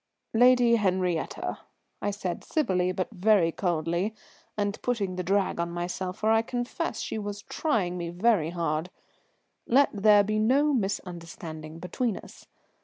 "Lady Henriette," I said civilly but very coldly, and putting the drag on myself, for I confess she was trying me very hard, "let there be no misunderstanding between us.